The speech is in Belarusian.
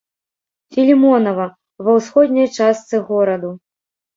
Філімонава, ва ўсходняй частцы гораду.